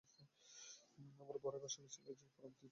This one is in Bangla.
আমার বড়ই বাসনা ছিল যে, পরম তৃপ্তির সহিত উহা ভোজন করিব।